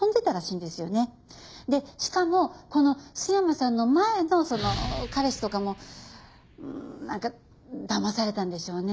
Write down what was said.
でしかもこの須山さんの前のその彼氏とかもうーんなんかだまされたんでしょうね。